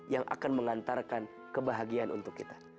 yang akan mengantarkan kebahagiaan untuk kita